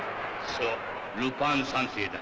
そうルパン三世だ。